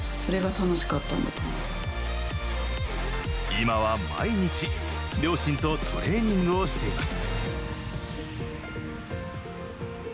今は毎日、両親とトレーニングをしています。